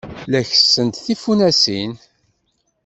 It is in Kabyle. La kessent tfunasin.